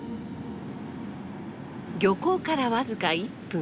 漁港から僅か１分。